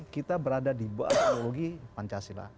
kita berada di bawah ideologi pancasila